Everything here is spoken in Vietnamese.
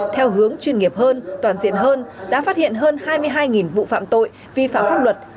theo hướng chuyên nghiệp hơn toàn diện hơn đã phát hiện hơn hai mươi hai vụ phạm tội vi phạm pháp luật